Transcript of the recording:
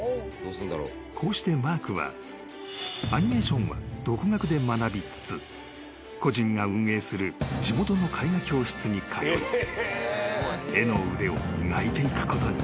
［こうしてマークはアニメーションは独学で学びつつ個人が運営する地元の絵画教室に通い絵の腕を磨いていくことに］